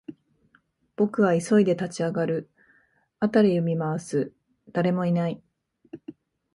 僕は急いで立ち上がる、辺りを見回す、誰もいない